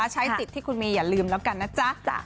ใช้สิทธิ์ที่คุณมีอย่าลืมแล้วกันนะจ๊ะ